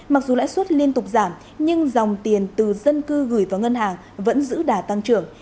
mặc dù lãi suất liên tục giảm nhưng dòng tiền từ dân cư gửi vào ngân hàng vẫn giữ đà tăng trưởng